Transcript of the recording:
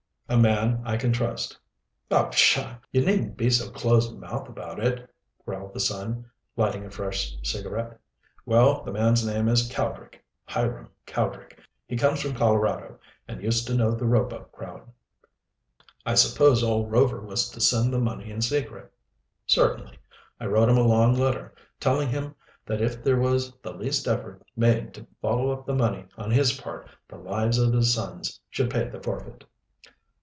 "A man I can trust." "Oh, pshaw! you needn't be so close mouthed about it," growled the son, lighting a fresh cigarette. "Well, the man's name is Cowdrick Hiram Cowdrick. He comes from Colorado, and used to know the Roebuck crowd." "I suppose old Rover was to send the money in secret?" "Certainly. I wrote him a long letter, telling him that if there was the least effort made to follow up the money on his part the lives of his sons should pay the forfeit."